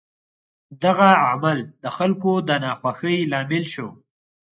دغه عمل د خلکو د ناخوښۍ لامل شو.